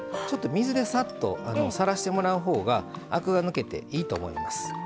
水でさっとさらしてもらうほうがアクがぬけていいと思います。